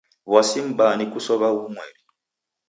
W'asi m'baa ni kusow'a w'umweri.